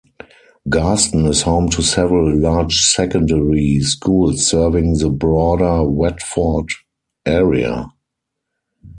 Garston is home to several large secondary schools serving the broader Watford area.